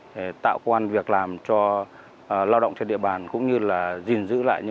để tạo quan việc làm cho các diện tích